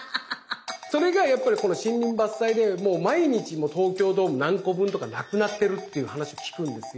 それがやっぱりこの森林伐採でもう毎日東京ドーム何個分とか無くなってるっていう話聞くんですよ。